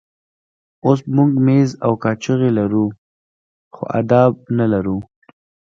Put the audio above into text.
اوس موږ مېز او کاچوغې لرو خو آداب نه لرو.